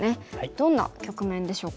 どんな局面でしょうか？